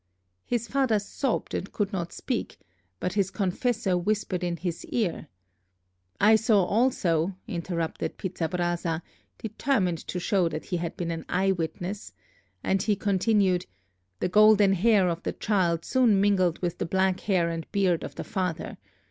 "His father sobbed, and could not speak; but his confessor whispered in his ear " "I saw also," interrupted Pizzabrasa, determined to show that he had been an eye witness, and he continued: "the golden hair of the child soon mingled with the black hair and beard of the father.